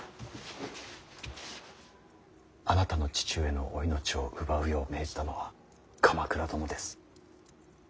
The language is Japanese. あなたの父上のお命を奪うよう命じたのは鎌倉殿です。